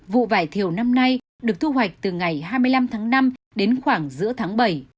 vụ vải thiều năm nay được thu hoạch từ ngày hai mươi năm tháng năm đến khoảng giữa tháng bảy